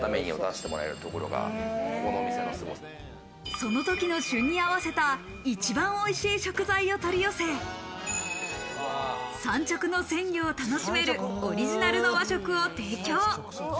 その時の旬に合わせた一番おいしい食材を取り寄せ、産直の鮮魚を楽しめるオリジナルの和食を提供。